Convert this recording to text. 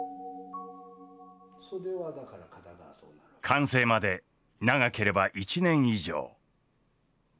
完成まで長ければ１年以上。